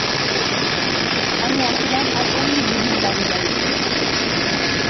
আমি আসিলাম আর অমনি দিদির বাড়ি যাইবে!